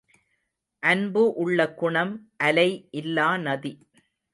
அன்பு உள்ள குணம் அலை இல்லா நதி.